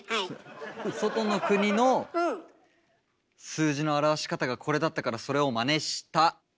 数字の表し方がこれだったからそれをまねした。